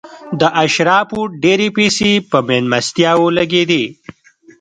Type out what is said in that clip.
د اشرافو ډېرې پیسې په مېلمستیاوو لګېدې.